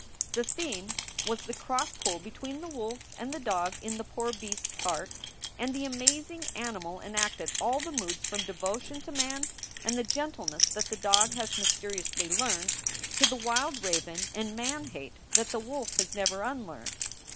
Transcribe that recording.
The theme was the cross pull between the wolf and the dog in the poor beast s heart, and the amazing animal enacted all the moods from devotion to man and the gentleness that the dog has mysteriously learned, to the wild raven and man hate that the wolf has never unlearned.